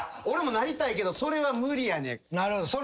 俺もなりたいけどそれは無理やねん。